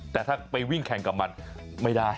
แต่ถ้าไปวิ่งแข่งกับมันไม่ได้